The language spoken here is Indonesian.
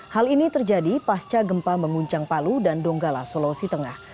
hal ini terjadi pasca gempa menguncang palu dan donggala sulawesi tengah